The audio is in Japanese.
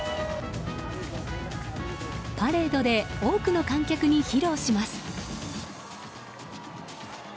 パレードで多くの観客に披露します。